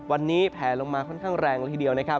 วันนี้แผลลงมาค่อนข้างแรงละทีเดียวนะครับ